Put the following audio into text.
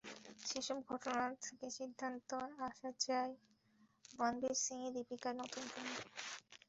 সেসব ঘটনা থেকে সিদ্ধান্তে আসা যায়, রণবীর সিংই দীপিকার নতুন প্রেমিক।